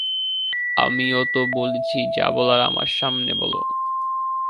আমিও তো বলেছি, যা বলার আমার সামনে বলো।